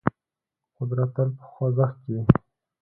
قدرت تل په خوځښت کې وي.